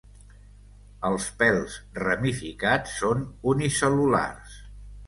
Els pèls ramificats són unicel·lulars.